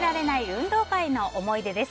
運動会の思い出です。